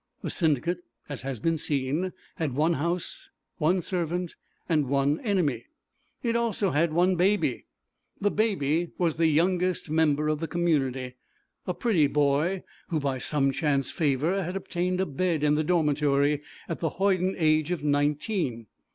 The Syndicate, as has been seen, had one house, one servant, and one enemy. It also had one Baby. The Baby was the youngest member of the community, a pretty boy who by some chance favour had obtained a bed in the dormitory at the hoyden age of nineteen.